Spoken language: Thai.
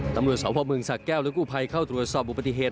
ตำรวจสพเมืองสะแก้วและกู้ภัยเข้าตรวจสอบอุบัติเหตุ